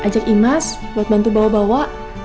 ajak imas buat bantu bawa bawa